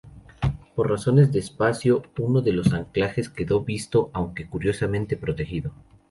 Por razones de espacio, uno de los anclajes quedó visto, aunque curiosamente protegido.